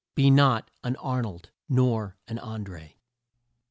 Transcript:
Be not an Ar nold nor an An dré.